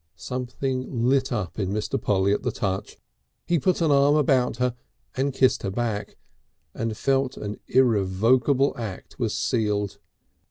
Something lit up in Mr. Polly at the touch. He put an arm about her and kissed her back, and felt an irrevocable act was sealed.